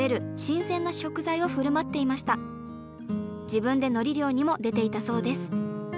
自分でのり漁にも出ていたそうです。